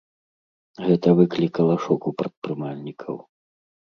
Гэта выклікала шок у прадпрымальнікаў.